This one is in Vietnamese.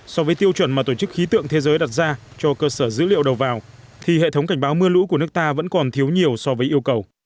so với tiêu chuẩn mà tổ chức khí tượng thế giới đặt ra cho cơ sở dữ liệu đầu vào thì hệ thống cảnh báo mưa lũ của nước ta vẫn còn thiếu nhiều so với yêu cầu